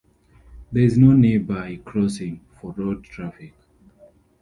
There is no nearby crossing for road traffic.